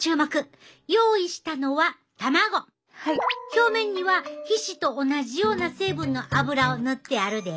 表面には皮脂と同じような成分の油を塗ってあるで。